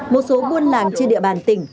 một số buôn làng trên địa bàn tỉnh